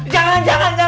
jangan jangan jangan